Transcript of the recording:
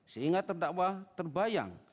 sehingga terdakwa terbayang